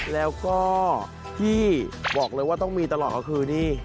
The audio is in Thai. แล้วก็ที่บอกเลยว่าต้องมีตลอดก็คือนี่